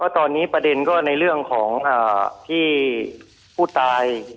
ตอนนี้ประเด็นก็ในเรื่องของที่ผู้ตาย